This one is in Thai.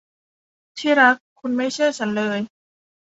ที่รัก คุณไม่เชื่อฉันเลย